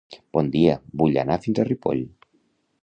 Bon dia, vull anar fins a Ripoll.